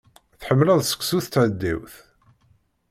Tḥemmleḍ seksu s tɣeddiwt?